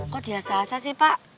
kok diasahasa sih pak